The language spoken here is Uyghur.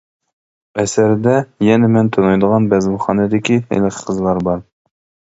ئەسەردە يەنە مەن تونۇيدىغان بەزمىخانىدىكى ھېلىقى قىزلار بار.